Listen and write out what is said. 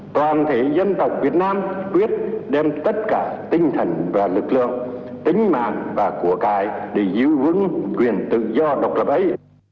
toàn thể dân tộc việt nam quyết đem tất cả tinh thần và lực lượng tính mạng và của cái để giữ vững quyền tự do độc lập ấy